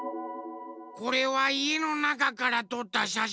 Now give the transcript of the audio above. これはいえのなかからとったしゃしんだから。